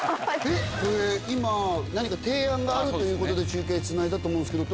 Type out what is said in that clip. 今何か提案があるということで中継つないだと思うんですけど。